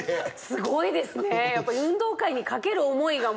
すごいですね。